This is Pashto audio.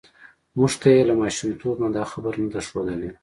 موږ ته یې له ماشومتوب نه دا خبره نه ده ښودلې